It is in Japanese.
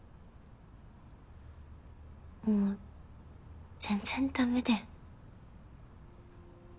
もう全然だめで。